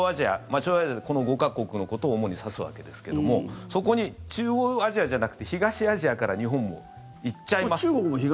中央アジアはこの５か国のことを主に指すわけですけどもそこに中央アジアじゃなくて東アジアから日本も行っちゃいますと。